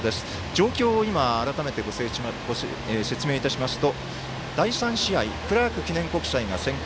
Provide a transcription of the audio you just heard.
状況を改めて説明いたしますと第３試合クラーク記念国際が先攻